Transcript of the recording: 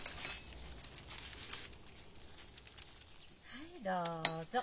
はいどうぞ。